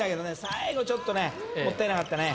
最後ちょっとねもったいなかったね